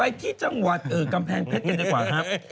ไปที่จังหวัดกำแพงเพชรกันดีกว่าครับ